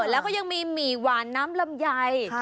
แล้วก็ยังมีหมี่หวานน้ำลำไย